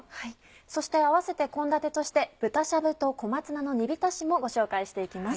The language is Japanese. そして併せて献立として「豚しゃぶと小松菜の煮びたし」もご紹介して行きます。